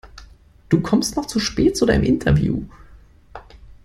Du kommst noch zu spät zu deinem Interview.